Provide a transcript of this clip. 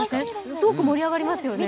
すごく盛り上がりますよね。